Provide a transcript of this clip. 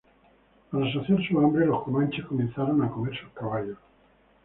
Para saciar su hambre, los comanches comenzaron a comer sus caballos.